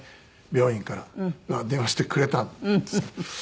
病院から電話してくれたんですけど。